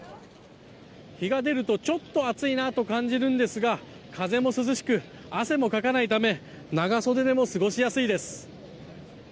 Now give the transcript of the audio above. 日が出るとちょっと暑いなと感じるんですが風も涼しく汗もかかないため長袖でも過ごしやすいです。